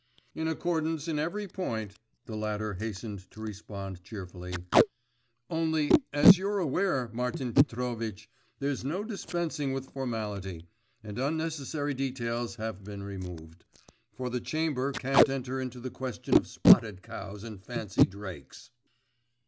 'In accordance in every point,' the latter hastened to respond cheerfully; 'only, as you're aware, Martin Petrovitch, there's no dispensing with formality. And unnecessary details have been removed. For the chamber can't enter into the question of spotted cows and fancy drakes.